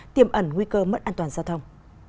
tiêm ẩn nguy cơ mất an toàn giao thông